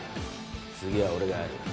次は俺がやる。